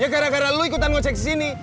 ya gara gara lu ikutan ngojek disini